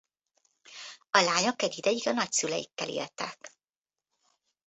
A lányok egy ideig a nagyszüleikkel éltek.